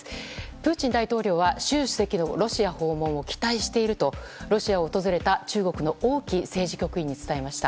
プーチン大統領は習主席のロシア訪問を期待しているとロシアを訪れた中国の王毅政治局員に伝えました。